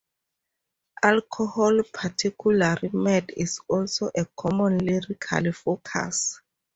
Alcohol, particularly mead, is also a common lyrical focus.